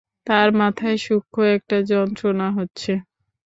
তার মাথায় সূক্ষ্ম একটা যন্ত্রণা হচ্ছে।